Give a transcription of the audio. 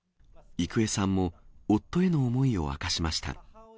郁恵さんも、夫への思いを明かしました。